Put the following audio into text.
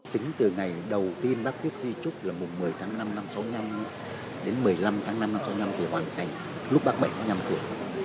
tính từ ngày đầu tiên bác viết di trúc là một mươi tháng năm năm sáu mươi năm đến một mươi năm tháng năm năm hai nghìn năm thì hoàn thành lúc bác bảy mươi năm tuổi